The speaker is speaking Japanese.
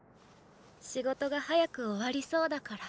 仕事が早く終わりそうだから。